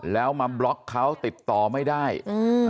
แล้วมาบล็อกเขาติดต่อไม่ได้อืม